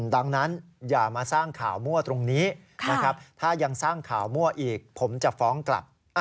ดังนั้นอย่ามาสร้างข่าวมั่วตรงนี้นะครับถ้ายังสร้างข่าวมั่วอีกผมจะฟ้องกลับ